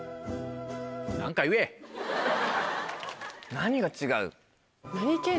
何が違う？